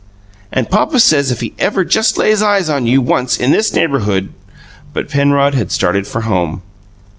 "And papa says if he ever just lays eyes on you, once, in this neighbourhood " But Penrod had started for home.